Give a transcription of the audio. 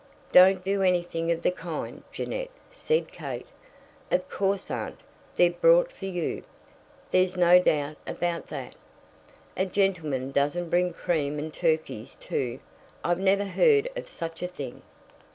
"Don't do anything of the kind, Jeannette," said Kate. "Of course, aunt, they're brought for you. There's no doubt about that. A gentleman doesn't bring cream and turkeys to I've never heard of such a thing!"